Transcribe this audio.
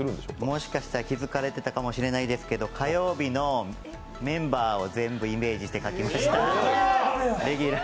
もしかしたら気づかれていたかもしれませんが、火曜日のメンバーを全部イメージして描きました。